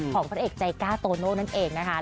ของผู้หญิงใจกล้าโตโน้นั่นเองนะคะ